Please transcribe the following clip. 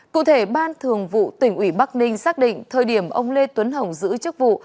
cụ thể ban thường vụ tỉnh ủy bắc ninh xác định thời điểm ông lê tuấn hồng giữ chức vụ